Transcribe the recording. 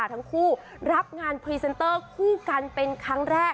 ทั้งคู่รับงานพรีเซนเตอร์คู่กันเป็นครั้งแรก